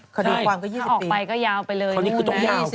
คดีความก็๒๐ปีถ้าออกไปก็ยาวไปเลยนู่นน่ะ๒๐ปี